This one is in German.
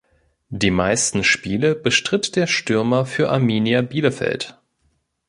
Die meisten Spiele bestritt der Stürmer für Arminia Bielefeld.